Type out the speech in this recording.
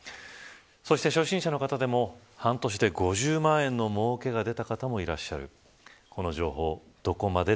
そして初心者の方でも半年で５０万円のもうけが出た方もいらっしゃる。